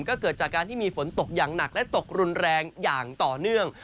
ก็เกิดจากการที่มีฝนตกอย่างหนักและตกรุนแรงอย่างต่อเนื่อง